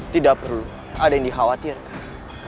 tidak perlu ada yang dikhawatirkan